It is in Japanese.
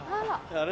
あれ？